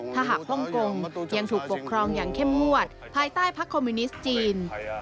ถ้าหากฮ่องกงยังถูกปกครองอย่างเข้มงวดภายใต้พักคอมมิวนิสต์จีน